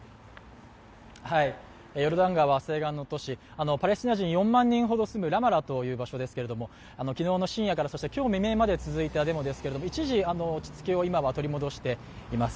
ヨルダン川西岸の都市、パレスチナ人４万人ほどが住むラマラという場所ですけれども、昨日の深夜から今日未明まで続いたデモですけれども一時、落ち着きは今は取り戻しています。